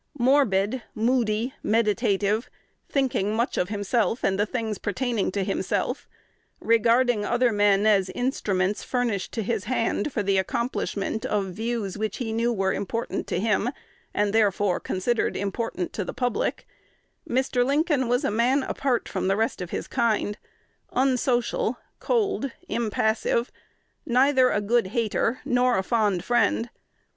Morbid, moody, meditative, thinking much of himself and the things pertaining to himself, regarding other men as instruments furnished to his hand for the accomplishment of views which he knew were important to him, and, therefore, considered important to the public, Mr. Lincoln was a man apart from the rest of his kind, unsocial, cold, impassive, neither a "good hater" nor a fond friend.